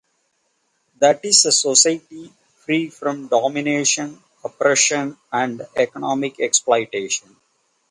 That is a society free from domination, oppression and economic exploitation.